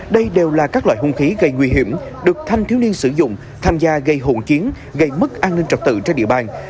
đây đều là các loại hung khí gây nguy hiểm được thanh thiếu niên sử dụng thành gia gây hồn chiến gây mức an ninh trọc tự trên địa bàn